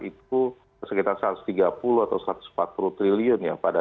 itu sekitar satu ratus tiga puluh atau satu ratus empat puluh triliun ya